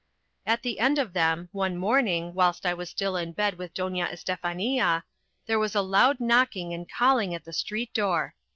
At the end of them, one morning, whilst I was still in bed with Doña Estefania, there was a loud knocking and calling at the street door.